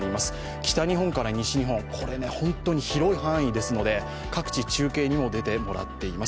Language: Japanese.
北日本から西日本、本当に広い範囲ですので、各地、中継にも出てもらっています